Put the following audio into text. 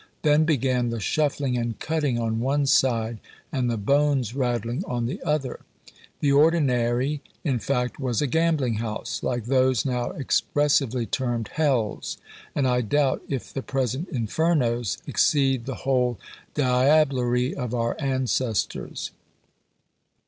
Then began "the shuffling and cutting on one side, and the bones rattling on the other." The "Ordinarie," in fact, was a gambling house, like those now expressively termed "Hells," and I doubt if the present "Infernos" exceed the whole diablerie of our ancestors.